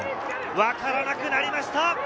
分からなくなりました。